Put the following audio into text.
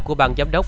của bang giám đốc